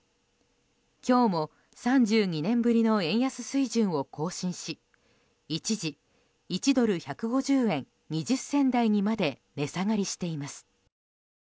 今日も３２年ぶりの円安水準を更新し一時１ドル＝１５０円２０銭台にまで値下がりしています。